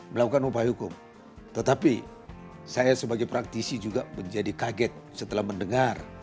melakukan upaya hukum tetapi saya sebagai praktisi juga menjadi kaget setelah mendengar